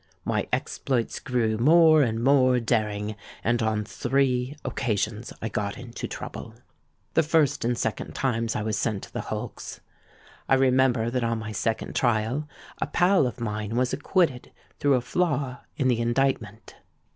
My exploits grew more and more daring; and on three occasions I got into trouble. The first and second times I was sent to the hulks. I remember that on my second trial a pal of mine was acquitted through a flaw in the indictment.